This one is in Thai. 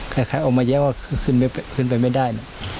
แล้วใครออกมาแย้งว่าขึ้นไปไม่ได้